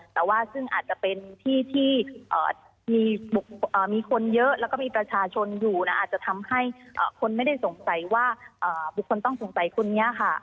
แต่ว่าซึ่งอาจจะเป็นที่ที่มีคนเยอะแล้วก็มีประชาชนอยู่นะอาจจะทำให้คนไม่ได้สงสัยว่าบุคคลต้องสงสัยคนนี้ค่ะ